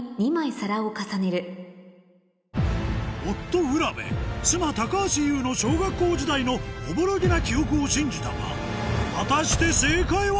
夫・卜部妻・高橋ユウの小学校時代のおぼろげな記憶を信じたが果たして正解は